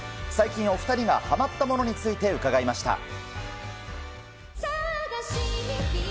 最近、お２人がはまったものについて伺いました。